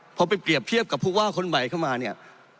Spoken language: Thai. พอไปเปรียบเทียบกับผู้ว่าคนใหม่เข้ามาเนี่ย